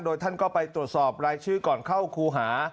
โดยท่านก็ไปตรวจสอบรายชื่อก่อนเข้าครูหา